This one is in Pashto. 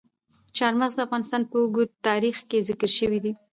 چار مغز د افغانستان په اوږده تاریخ کې ذکر شوی دی.